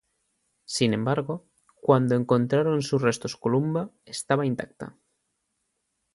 Sin embargo, cuando encontraron sus restos Columba estaba intacta.